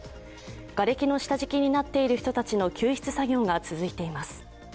がれきの下敷きになっている人たちの救出作業が続いています。